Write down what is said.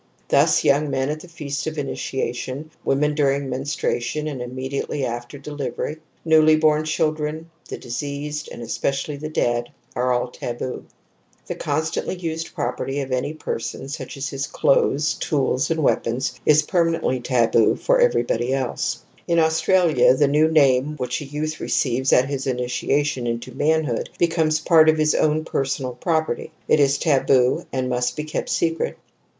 Thus young men at the feast of initiation, women during menstruation and immediately after delivery, newly born children, the deceased and especially the dead, are all taboo. The constantly used property of any person, such as his clothes, tools and weapons, * Comp. Chapter I. 40 TOTEM AND TABOO is permanently taboo for everybody else. In Australia the new name which a youth receives at his initiation into manhood becomes part of his most personal property, it is taboo and must be kept secret.